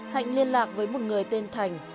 hạnh liên lạc với một người tên thành